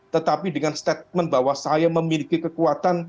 tetapi dengan statement bahwa saya memiliki kekuatan